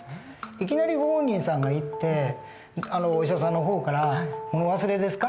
いきなりご本人さんが行ってお医者さんの方から「物忘れですか？」